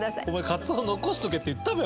カツオ残しとけって言ったべ！